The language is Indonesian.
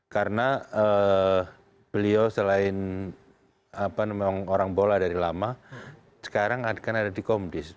karena beliau selain memang orang bola dari lama sekarang akan ada di komdis